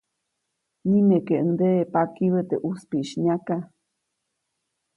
Nimekeʼuŋdeʼe pakibä teʼ ʼuspiʼis nyaka.